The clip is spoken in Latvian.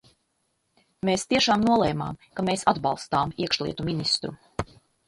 Mēs tiešām nolēmām, ka mēs atbalstām iekšlietu ministru.